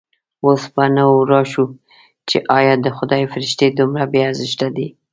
اوس به نو راشو چې ایا د خدای فرښتې دومره بې ارزښته دي.